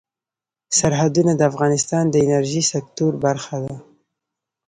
سرحدونه د افغانستان د انرژۍ سکتور برخه ده.